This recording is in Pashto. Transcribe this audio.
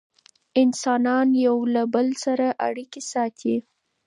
انسانان یو له بل سره اړیکې ساتي.